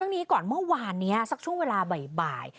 นี้ก่อนเมื่อวานนี้สักช่วงเวลาบ่าย